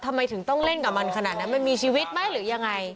ทำไมถึงต้องเล่นกับมันขนาดนั้นมันมีชีวิตไหมหรือยังไง